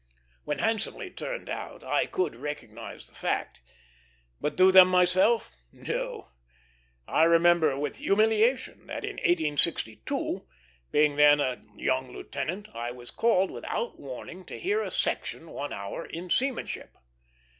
When handsomely turned out, I could recognize the fact; but do them myself, no. I remember with humiliation that in 1862, being then a young lieutenant, I was called without warning to hear a section, one hour, in seamanship.